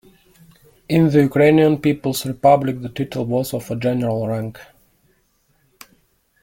In the Ukrainian People's Republic, the title was of a general rank.